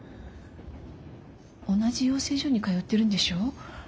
同じ養成所に通ってるんでしょ？